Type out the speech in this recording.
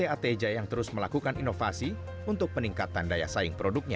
pt ateja yang terus melakukan inovasi untuk peningkatan daya saing produknya